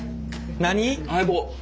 何？